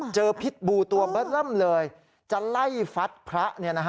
เจอผิดบูตัวบัดล่ำเลยจะไล่ฟัดพระ